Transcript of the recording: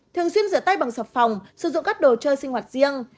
thường xuyên rửa tay bằng sạp phòng sử dụng các đồ chơi sinh hoạt riêng